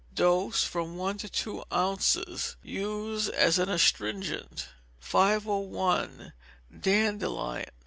Dose, from one to two ounces. Use as an astringent. 501. Dandelion.